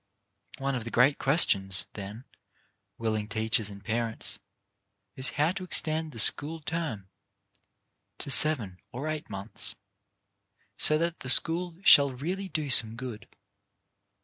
One of the great questions, then, with teachers and pa rents, is how to extend the school term to seven or eight months, so that the school shall really do some good.